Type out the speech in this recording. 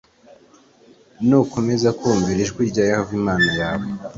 nukomeza kumvira ijwi rya yehova imana yawe